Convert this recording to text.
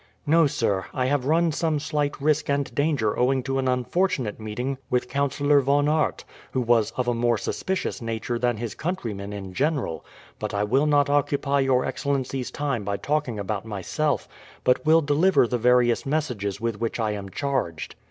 "No, sir. I have run some slight risk and danger owing to an unfortunate meeting with Councillor Von Aert, who was of a more suspicious nature than his countrymen in general; but I will not occupy your excellency's time by talking about myself, but will deliver the various messages with which I am charged."